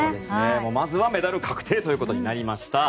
まずはメダル確定ということになりました。